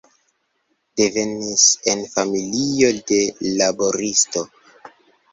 Devenis en familio de laboristo.